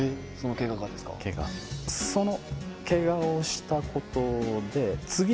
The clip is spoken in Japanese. その。